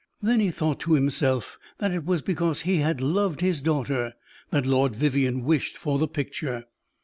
Then he thought to himself that it was because he had loved his daughter that Lord Vivianne wished for the picture.